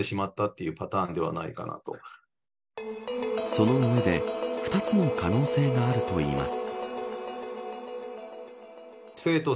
その上で２つの可能性があるといいます。